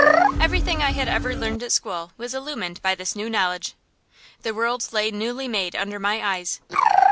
Everything I had ever learned at school was illumined by this new knowledge; the world lay newly made under my eyes.